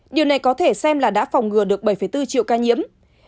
điều này có thể xem là đã phòng ngừa được bảy bốn triệu ca nhiễm